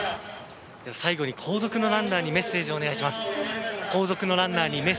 最後に後続のランナーにメッセージをお願いします。